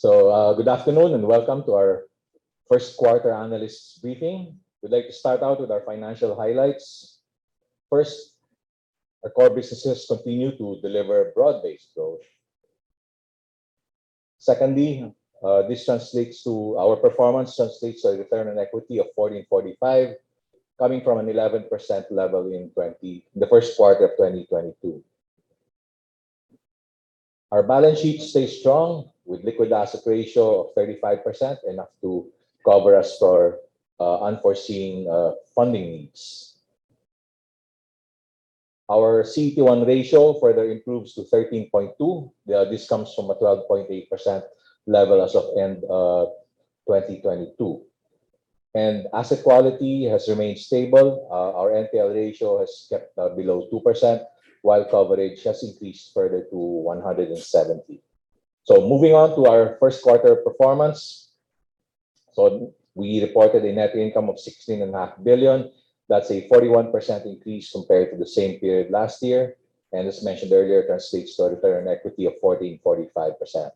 Good afternoon and welcome to our first quarter analysts' briefing. We would like to start out with our financial highlights. First, our core businesses continue to deliver broad-based growth. Secondly, our performance translates a return on equity of 14.45%, coming from an 11% level in the first quarter of 2022. Our balance sheet stays strong, with liquid asset ratio of 35%, enough to cover us for unforeseen funding needs. Our CET1 ratio further improves to 13.2%. This comes from a 12.8% level as of end of 2022. Asset quality has remained stable. Our NPL ratio has kept below 2%, while coverage has increased further to 170%. Moving on to our first quarter performance. We reported a net income of 16.5 billion. That is a 41% increase compared to the same period last year. As mentioned earlier, translates to a return on equity of 14.45%.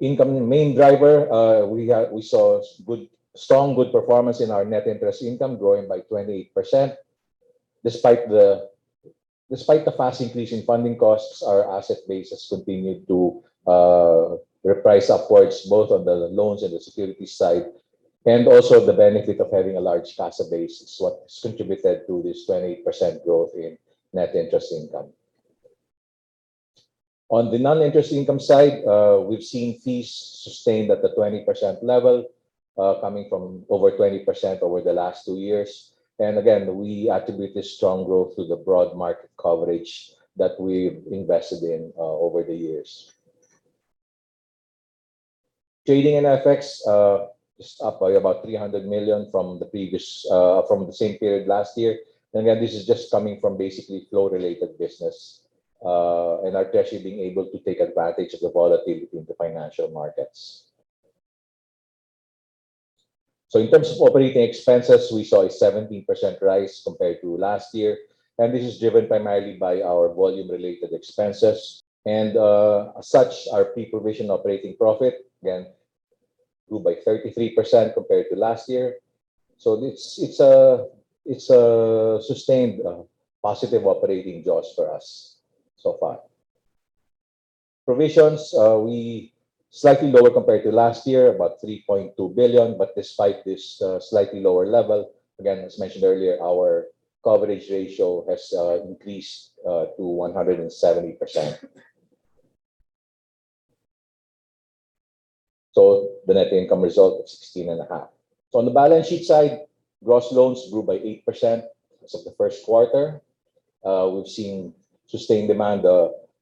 Income, the main driver, we saw strong good performance in our net interest income, growing by 28%. Despite the fast increase in funding costs, our asset base has continued to reprice upwards, both on the loans and the securities side. The benefit of having a large CASA base is what has contributed to this 28% growth in net interest income. On the non-interest income side, we have seen fees sustained at the 20% level, coming from over 20% over the last two years. We attribute this strong growth to the broad market coverage that we have invested in over the years. Trading and FX is up by about 300 million from the same period last year. This is just coming from basically flow-related business, and our treasury being able to take advantage of the volatility in the financial markets. In terms of operating expenses, we saw a 17% rise compared to last year, and this is driven primarily by our volume-related expenses. As such, our pre-provision operating profit, again, grew by 33% compared to last year. It is a sustained positive operating jaws for us so far. Provisions were slightly lower compared to last year, about 3.2 billion. Despite this slightly lower level, again, as mentioned earlier, our coverage ratio has increased to 170%. The net income result is 16.5 billion. On the balance sheet side, gross loans grew by 8% as of the first quarter. We have seen sustained demand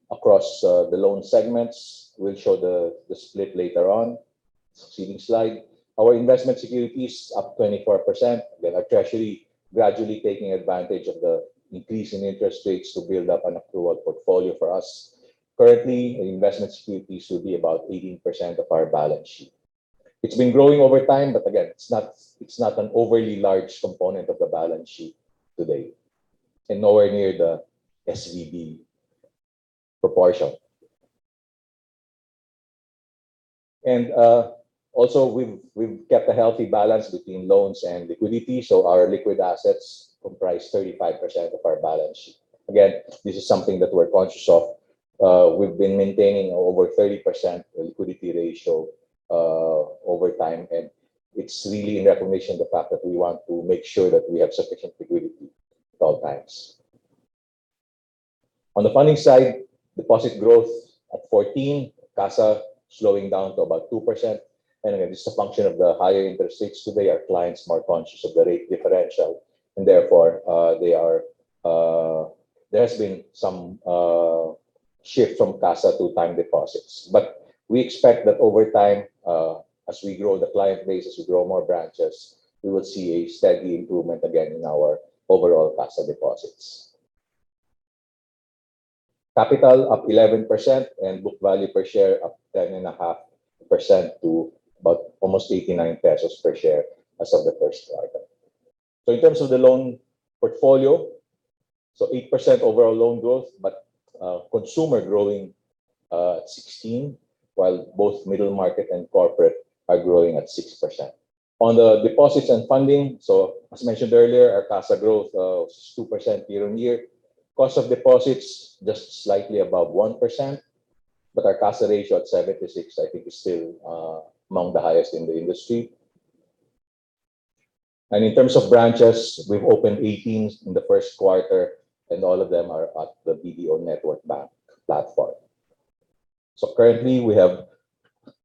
across the loan segments. We will show the split later on a succeeding slide. Our investment securities up 24%. Our treasury gradually taking advantage of the increase in interest rates to build up an accrual portfolio for us. Currently, investment securities will be about 18% of our balance sheet. It has been growing over time, but again, it is not an overly large component of the balance sheet today, and nowhere near the SVB proportion. We have kept a healthy balance between loans and liquidity, so our liquid assets comprise 35% of our balance sheet. This is something that we are conscious of. We have been maintaining over 30% liquidity ratio over time, and it is really in recognition of the fact that we want to make sure that we have sufficient liquidity at all times. On the funding side, deposit growth at 14%. CASA slowing down to about 2%. This is a function of the higher interest rates today. Our clients are more conscious of the rate differential, and therefore there has been some shift from CASA to time deposits. We expect that over time, as we grow the client base, as we grow more branches, we will see a steady improvement again in our overall CASA deposits. Capital up 11% and book value per share up 10.5% to about almost 89 pesos per share as of the first quarter. In terms of the loan portfolio, 8% overall loan growth, but consumer growing at 16%, while both middle market and corporate are growing at 6%. On the deposits and funding, as mentioned earlier, our CASA growth was 2% year-on-year. Cost of deposits just slightly above 1%, but our CASA ratio at 76%, I think is still among the highest in the industry. In terms of branches, we've opened 18 in the first quarter and all of them are at the BDO Network Bank platform. Currently we have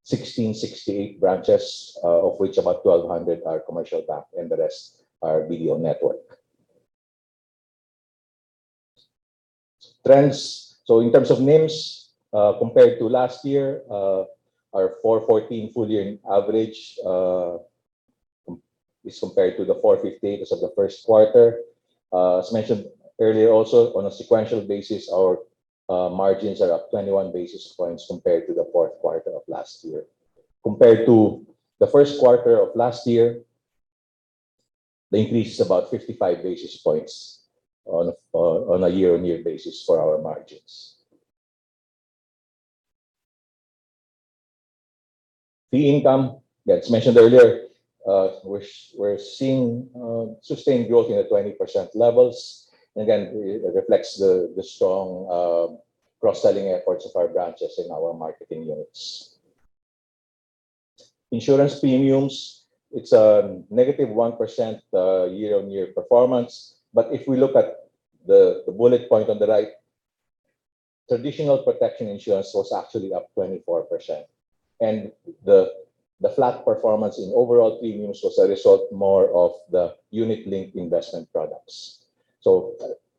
1,668 branches, of which about 1,200 are commercial bank and the rest are BDO Network. Trends. In terms of NIMs, compared to last year, our 4.14 full year average is compared to the 4.58 as of the first quarter. As mentioned earlier also, on a sequential basis, our margins are up 21 basis points compared to the fourth quarter of last year. Compared to the first quarter of last year, the increase is about 55 basis points on a year-on-year basis for our margins. Fee income, that's mentioned earlier, we're seeing sustained growth in the 20% levels. Again, it reflects the strong cross-selling efforts of our branches in our marketing units. Insurance premiums, it's a negative 1% year-on-year performance. If we look at the bullet point on the right, traditional protection insurance was actually up 24%. The flat performance in overall premiums was a result more of the unit-linked investment products.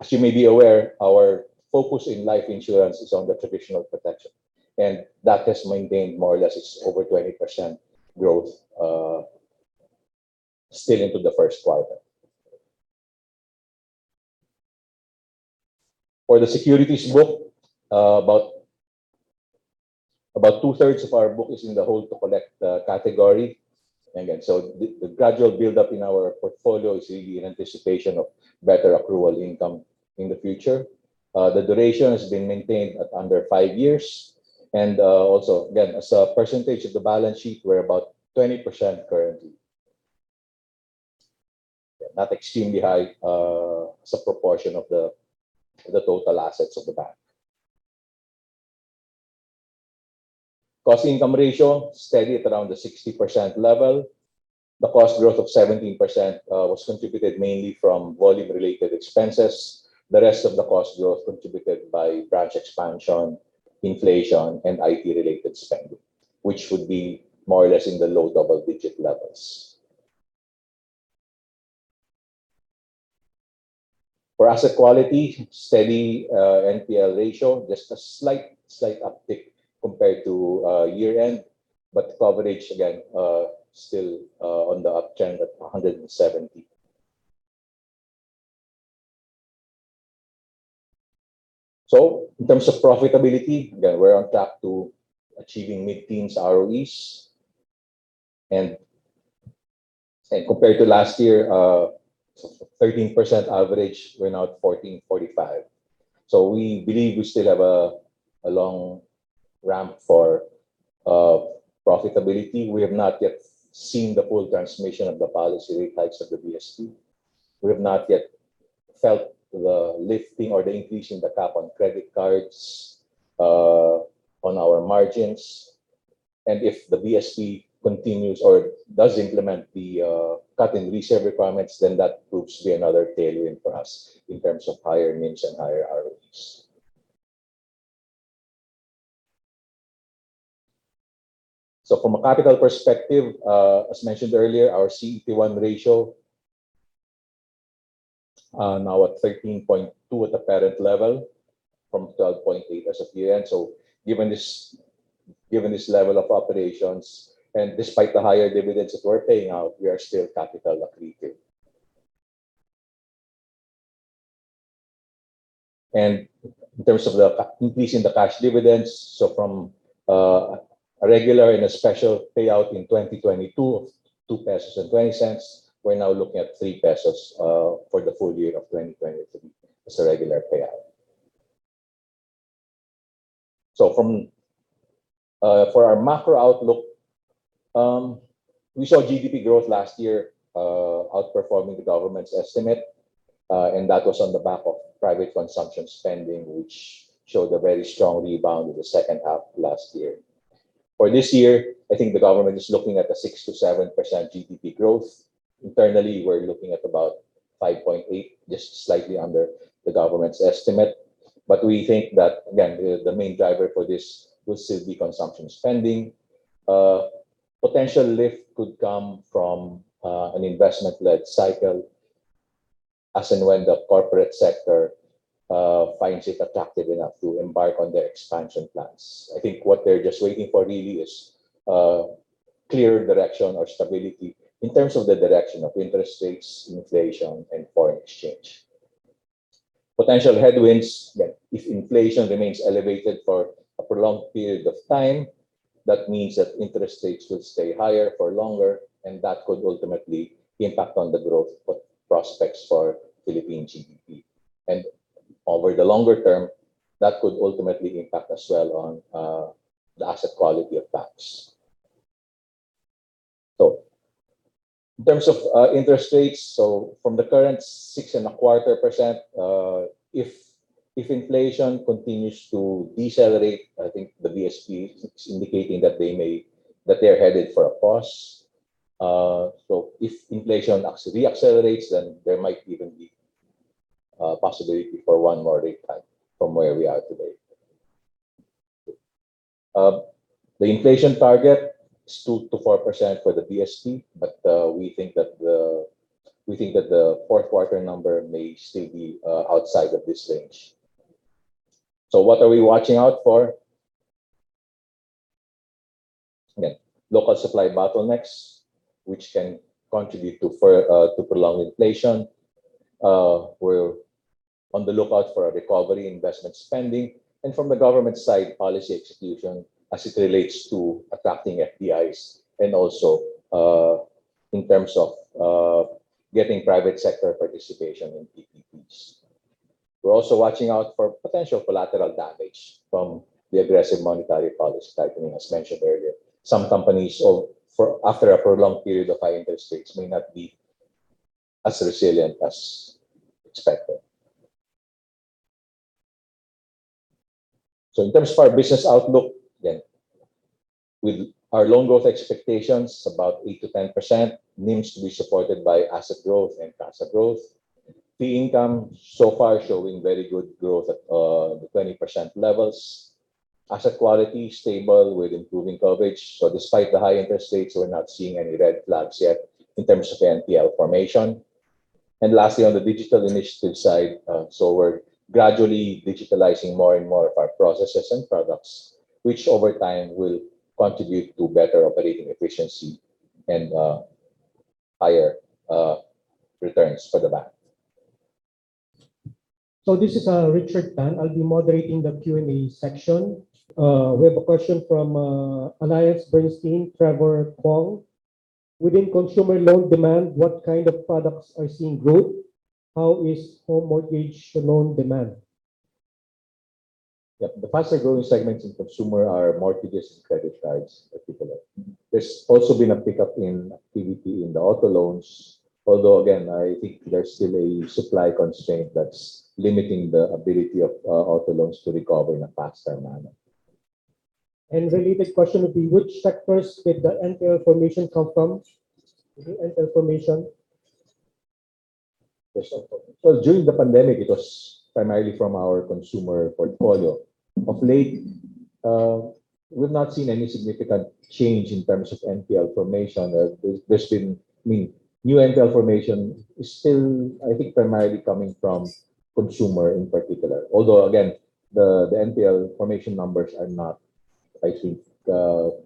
As you may be aware, our focus in life insurance is on the traditional protection, and that has maintained more or less its over 20% growth still into the first quarter. For the securities book, about two-thirds of our book is in the hold-to-collect category. Again, the gradual build-up in our portfolio is really in anticipation of better accrual income in the future. The duration has been maintained at under five years. Also, again, as a percentage of the balance sheet, we're about 20% currently. Yeah, not extremely high as a proportion of the total assets of the bank. Cost-income ratio, steady at around the 60% level. The cost growth of 17% was contributed mainly from volume-related expenses. The rest of the cost growth contributed by branch expansion, inflation, and IT-related spending, which would be more or less in the low double-digit levels. For asset quality, steady NPL ratio, just a slight uptick compared to year-end, but coverage again, still on the uptrend at 170%. In terms of profitability, again, we're on track to achieving mid-teens ROEs. Compared to last year, 13% average, we're now at 14.45%. We believe we still have a long ramp for profitability. We have not yet seen the full transmission of the policy rate hikes of the BSP. We have not yet felt the lifting or the increase in the cap on credit cards on our margins. If the BSP continues or does implement the cut in reserve requirements, then that proves to be another tailwind for us in terms of higher NIMs and higher ROEs. From a capital perspective, as mentioned earlier, our CET1 ratio now at 13.2 at the parent level from 12.8 as of year-end. Given this level of operations, and despite the higher dividends that we're paying out, we are still capital accretive. In terms of the increase in the cash dividends, so from a regular and a special payout in 2022 of 2.20 pesos, we're now looking at 3 pesos for the full year of 2023 as a regular payout. For our macro outlook, we saw GDP growth last year outperforming the government's estimate, and that was on the back of private consumption spending, which showed a very strong rebound in the second half of last year. For this year, I think the government is looking at a 6%-7% GDP growth. Internally, we're looking at about 5.8%, just slightly under the government's estimate. We think that, again, the main driver for this will still be consumption spending. A potential lift could come from an investment-led cycle, as and when the corporate sector finds it attractive enough to embark on their expansion plans. I think what they're just waiting for really is a clear direction or stability in terms of the direction of interest rates, inflation, and foreign exchange. Potential headwinds, again, if inflation remains elevated for a prolonged period of time, that means that interest rates would stay higher for longer, and that could ultimately impact on the growth prospects for Philippine GDP. Over the longer term, that could ultimately impact as well on the asset quality of banks. In terms of interest rates, so from the current 6.25%, if inflation continues to decelerate, I think the BSP is indicating that they're headed for a pause. If inflation re-accelerates, then there might even be a possibility for one more rate cut from where we are today. The inflation target is 2%-4% for the BSP, but we think that the fourth quarter number may still be outside of this range. What are we watching out for? Again, local supply bottlenecks, which can contribute to prolonged inflation. We're on the lookout for a recovery in investment spending, and from the government side, policy execution as it relates to attracting FDIs and also in terms of getting private sector participation in PPPs. We're also watching out for potential collateral damage from the aggressive monetary policy tightening, as mentioned earlier. Some companies, after a prolonged period of high interest rates, may not be as resilient as expected. In terms of our business outlook, again, with our loan growth expectations about 8%-10%, NIMs to be supported by asset growth and CASA growth. Fee income so far showing very good growth at the 20% levels. Asset quality stable with improving coverage. Despite the high interest rates, we're not seeing any red flags yet in terms of NPL formation. Lastly, on the digital initiative side, so we're gradually digitalizing more and more of our processes and products, which over time will contribute to better operating efficiency and higher returns for the bank. This is Richard Tan. I'll be moderating the Q&A section. We have a question from AllianceBernstein, Trevor Kwong. Within consumer loan demand, what kind of products are seeing growth? How is home mortgage loan demand? Yep. The fastest-growing segments in consumer are mortgages and credit cards in particular. There's also been a pickup in activity in the auto loans, although again, I think there's still a supply constraint that's limiting the ability of auto loans to recover in a faster manner. Related question would be, which sectors did the NPL formation come from? The NPL formation. Well, during the pandemic, it was primarily from our consumer portfolio. Of late, we've not seen any significant change in terms of NPL formation. There's been new NPL formation, still, I think, primarily coming from consumer in particular. Although, again, the NPL formation numbers are not, I think,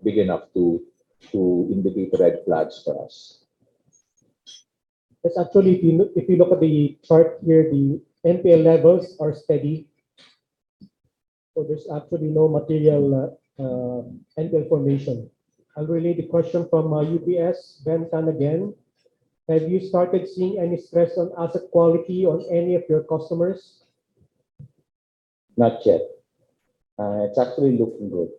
big enough to indicate red flags for us. Yes. Actually, if you look at the chart here, the NPL levels are steady. There's actually no material NPL formation. A related question from UBS, Ben Tan, again. Have you started seeing any stress on asset quality on any of your customers? Not yet. It's actually looking good.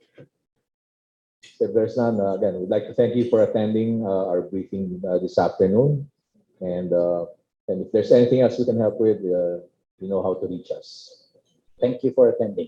If there's none, again, we'd like to thank you for attending our briefing this afternoon. If there's anything else we can help with, you know how to reach us. Thank you for attending